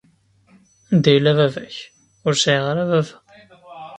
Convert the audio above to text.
Anda yella baba-k? Ur sɛiɣ ara baba.